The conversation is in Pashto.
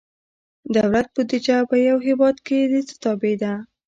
دولت بودیجه په یو هیواد کې د څه تابع ده؟